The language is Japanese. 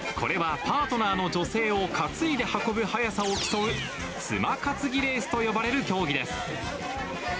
これはパートナーの女性を担いで運ぶ速さを競う妻担ぎレースと呼ばれる競技です。